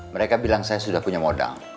mereka bilang saya sudah punya modal